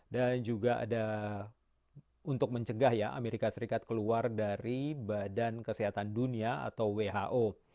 dan juga ada untuk mencegah ya amerika serikat keluar dari badan kesehatan dunia atau who